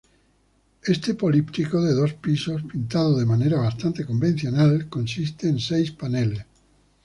Este políptico de dos pisos, pintado de manera bastante convencional, consiste en seis paneles.